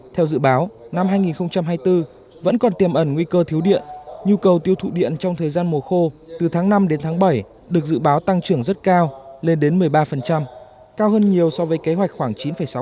theo dự báo năm hai nghìn hai mươi bốn vẫn còn tiềm ẩn nguy cơ thiếu điện nhu cầu tiêu thụ điện trong thời gian mùa khô từ tháng năm đến tháng bảy được dự báo tăng trưởng rất cao lên đến một mươi ba cao hơn nhiều so với kế hoạch khoảng chín sáu